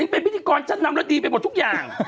เป็นพิธีกรชั้นนำแล้วดีไปหมดทุกอย่าง